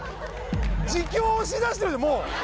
自供をしだしてるもう。